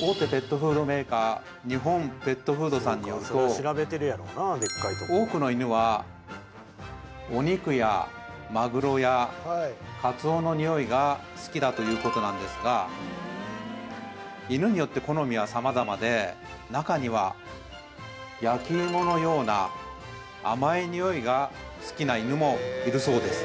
大手ペットフードメーカー日本ペットフードさんによると多くの犬はお肉やマグロやカツオのニオイが好きだということなんですが犬によって好みは様々で中には焼き芋のような甘いニオイが好きな犬もいるそうです